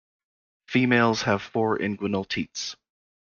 Females have four inguinal teats.